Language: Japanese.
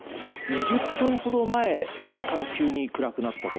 ２０分ほど前から急に暗くなったと。